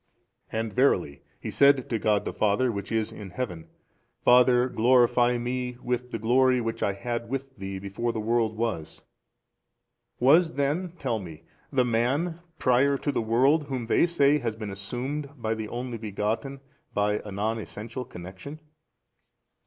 And verily He said to God the Father which is in Heaven, Father glorify Me with the glory which I had with Thee before the world was. Was then (tell me) the man prior to the world 68, whom they say has been assumed by the Only Begotten by a non essential connection? B.